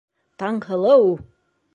Таңһылыу!..